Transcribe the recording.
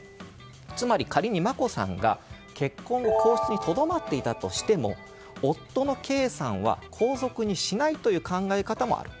つまり仮に眞子さんが結婚後皇室にとどまっていたとしても夫の圭さんは皇族にしないという考え方もある。